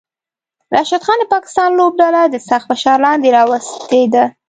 راشد خان د پاکستان لوبډله د سخت فشار لاندې راوستی ده